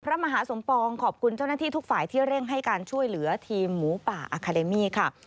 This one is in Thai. มหาสมปองขอบคุณเจ้าหน้าที่ทุกฝ่ายที่เร่งให้การช่วยเหลือทีมหมูป่าอาคาเดมี่ค่ะ